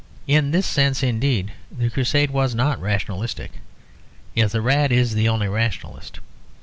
In this sense indeed the Crusade was not rationalistic, if the rat is the only rationalist.